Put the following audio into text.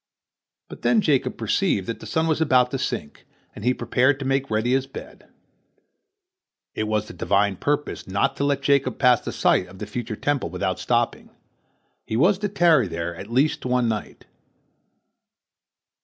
But then Jacob perceived that the sun was about to sink, and he prepared to make ready his bed. It was the Divine purpose not to let Jacob pass the site of the future Temple without stopping; he was to tarry there at least one night.